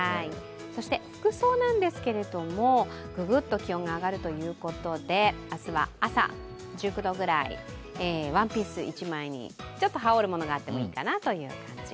そして服装なんですけど、ググッと気温が上がるということで明日は朝、１９度ぐらいワンピース１枚にちょっと羽織るものがあってもいいかなという感じ。